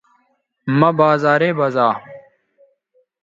مہ بازارے بزا